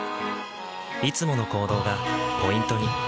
いつもの行動がポイントに。